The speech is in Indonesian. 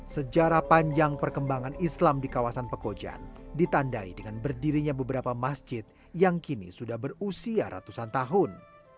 sejarah panjang perkembangan islam di kawasan pekojan ditandai dengan berdirinya beberapa masjid yang kini sudah berusia ratusan tahun